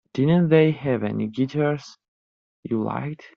Didn't they have any guitars you liked?